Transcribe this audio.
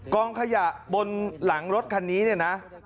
กองขยะบนหลังรถคันนี้นะ